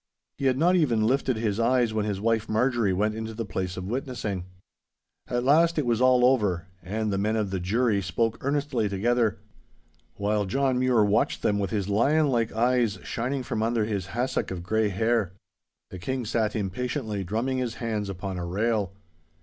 He had not even lifted his eyes when his wife Marjorie went into the place of witnessing. At last it was all over, and the men of the jury spoke earnestly together, while John Mure watched them with his lionlike eyes shining from under his hassock of grey hair. The King sat impatiently drumming his hands upon a rail.